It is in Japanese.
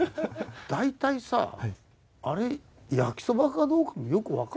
大体さあれ焼きそばかどうかもよくわからない。